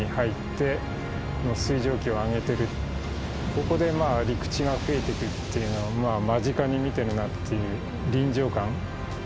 ここでまあ陸地がふえてくっていうのを間近に見てるなっていう臨場感。